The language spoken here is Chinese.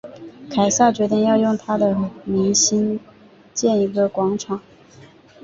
凯撒决定要用他的名兴建一个广场。